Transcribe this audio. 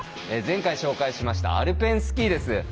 前回紹介しましたアルペンスキーです。